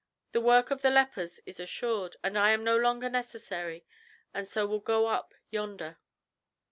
The work of the lepers is assured, and I am no longer necessary, and so will go up yonder."